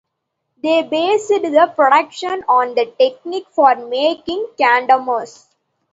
They based the production on the technique for making condoms.